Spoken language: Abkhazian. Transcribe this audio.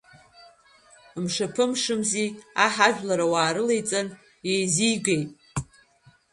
Мшаԥы мшымзи, аҳ ажәлар ауаа рылеиҵан, иеизыргеит.